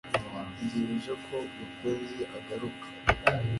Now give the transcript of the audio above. Ntegereje ko mupenzi agaruka